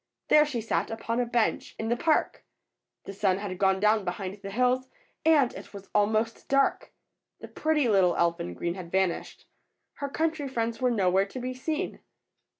There she sat upon a bench in the ETHEL'S FRIENDS 125 park. The sun had gone down behind the hills, and it was almost dark. The pretty little elf in green had vanished. Her country friends were nowhere to be seen.